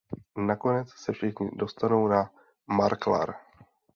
Nakonec se všichni dostanou na Marklar.